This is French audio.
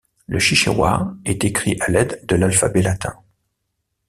Le chichewa est écrit à l’aide de l’alphabet latin.